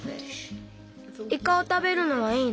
イカをたべるのはいいの？